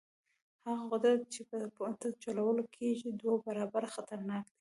هغه قدرت چې په پټه چلول کېږي دوه برابره خطرناک دی.